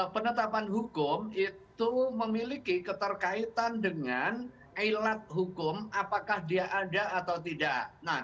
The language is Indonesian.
penetapan hukum itu memiliki keterkaitan dengan alat hukum apakah dia ada atau tidak